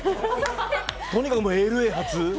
とにかくＬＡ発。